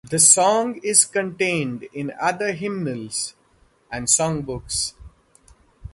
The song is contained in other hymnals and songbooks.